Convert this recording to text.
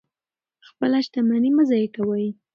خپله شتمني مه ضایع کوئ.